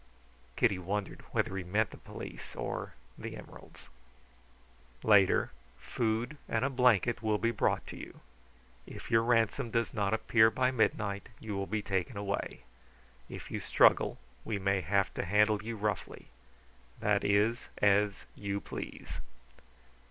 Kitty wondered whether he meant the police or the emeralds. "Later, food and a blanket will be brought to you. If your ransom does not appear by midnight you will be taken away. If you struggle we may have to handle you roughly. That is as you please."